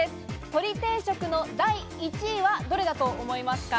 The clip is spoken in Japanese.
鶏定食の第１位はどれだと思いますか？